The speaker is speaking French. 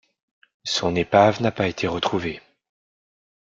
Son épave n'a pas été retrouvée.